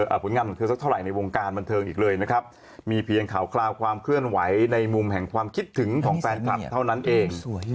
ผลงานของเธอสักเท่าไหร่ในวงการบันเทิงอีกเลยนะครับมีเพียงข่าวคราวความเคลื่อนไหวในมุมแห่งความคิดถึงของแฟนคลับเท่านั้นเอง